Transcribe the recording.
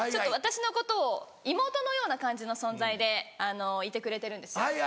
私のことを妹のような感じの存在でいてくれてるんですよ。